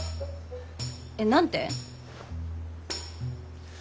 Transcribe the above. えっ何て？